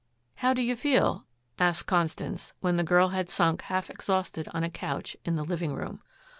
"How do you feel?" asked Constance when the girl had sunk half exhausted on a couch in the living room.